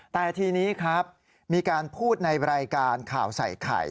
แต่ทีนี้ครับมีการพูดในรายการข่าวใส่ไข่